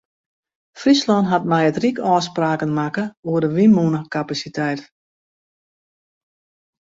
Fryslân hat mei it ryk ôfspraken makke oer de wynmûnekapasiteit.